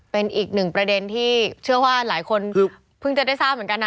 เป็นอีกหนึ่งประเด็นที่เชื่อว่าหลายคนเพิ่งจะได้ทราบเหมือนกันนะ